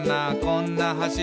こんな橋」